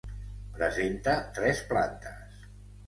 Presenta tres plantes.